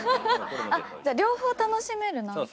じゃあ両方楽しめるな。